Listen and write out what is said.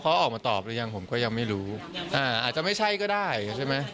เขาออกมาตอบหรือยังผมก็ยังไม่รู้อ่าอาจจะไม่ใช่ก็ได้ใช่ไหม